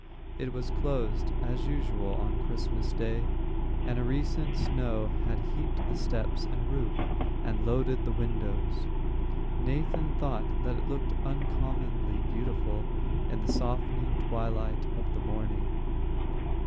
It was closed, as usual on Christmas day, and a recent snow had heaped the steps and roof, and loaded the windows. Nathan thought that it looked uncommonly beautiful in the softening twilight of the morning.